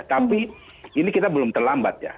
tapi ini kita belum terlambat ya